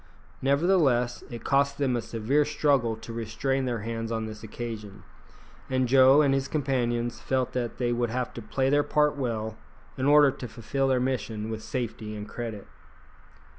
Nevertheless, it cost them a severe struggle to restrain their hands on this occasion, and Joe and his companions felt that they would have to play their part well in order to fulfil their mission with safety and credit.